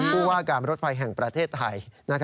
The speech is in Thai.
คู่ว่าการลดภัยแห่งประเทศไทย